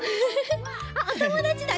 あっおともだちだ。